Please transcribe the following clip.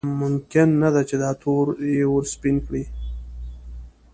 ممکن نه ده چې دا تور یې ورسپین کړي.